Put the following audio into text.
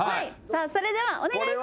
それではお願いします。